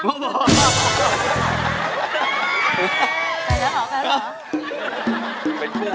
ร้องได้ให้ร้าน